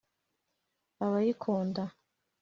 Abayikunda